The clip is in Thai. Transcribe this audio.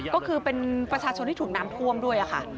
ก็คือเป็นประชาชนที่ถูกน้ำท่วมด้วยค่ะ